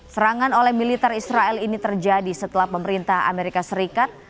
serangan oleh militer israel ini terjadi setelah pemerintah amerika serikat